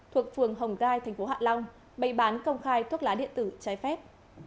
thuộc phường hồng gai tp hcm bày bán công khai thuốc lá điện tử trái phép